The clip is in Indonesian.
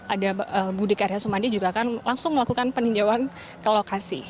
ada budi karya sumadi juga akan langsung melakukan peninjauan ke lokasi